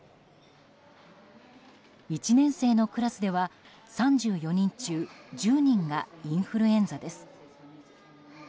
１年生のクラスでは、３４人中１０人がインフルエンザです。